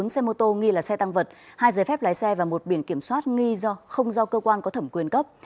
bốn xe mô tô nghi là xe tăng vật hai giấy phép lái xe và một biển kiểm soát nghi do không do cơ quan có thẩm quyền cấp